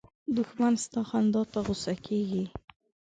دښمن ستا خندا ته غوسه کېږي